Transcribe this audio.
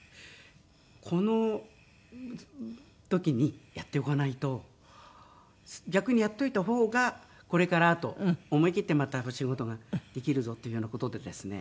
この時にやっておかないと逆にやっといた方がこれからあと思い切ってまたお仕事ができるぞというような事でですね